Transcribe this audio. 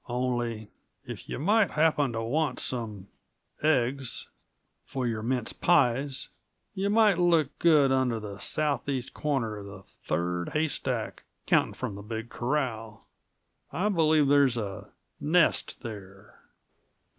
Only if you might happen to want some eggs for your mince pies, you might look good under the southeast corner of the third haystack, counting from the big corral. I believe there's a nest there."